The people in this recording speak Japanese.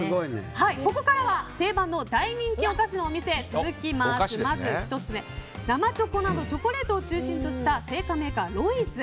ここからは大人気お菓子のお店生チョコなどチョコレートを中心とした製菓メーカーロイズ。